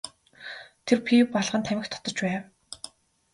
Тэр пиво балган тамхи татаж байв.